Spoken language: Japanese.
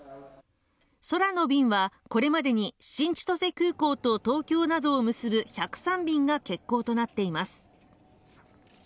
空の便はこれまでに新千歳空港と東京などを結ぶ１０３便が欠航となっています